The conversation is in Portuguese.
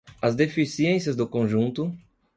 as deficiências do conjunto